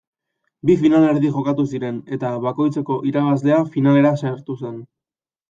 Bi finalerdi jokatu ziren eta bakoitzeko irabazlea finalera sartu zen.